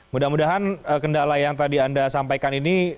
mudah mudahan kendala yang tadi anda sampaikan ini